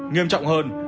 nghiêm trọng hơn